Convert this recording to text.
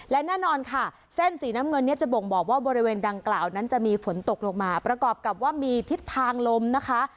และแน่นอนค่ะเส้นสีน้ำเงินเนี่ยจะบ่งบอกว่าบริเวณดังกล่าวนั้นจะมีฝนตกลงมาประกอบกับว่ามีทิศทางลมนะคะ